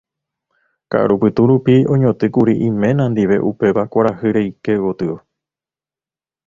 Ka'arupytũ rupi oñotỹkuri iména ndive upéva kuarahy reike gotyo.